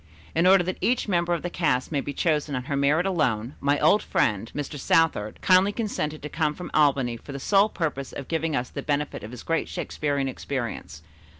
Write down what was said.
In order that each member of the cast may be chosen on her merit alone, my old friend, Mr. Southard, kindly consented to come from Albany for the sole purpose of giving us the benefit of his great Shakespearian experience.